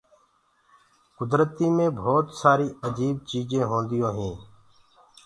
ڪُدرتي مي ڀوت سآري اجيب چيجينٚ هونديونٚ هينٚ۔